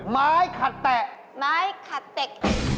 ไม้ขัดแตะไม้ขัดแตะ